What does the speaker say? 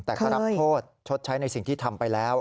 แต่ก็รับโทษชดใช้ในสิ่งที่ทำไปแล้ว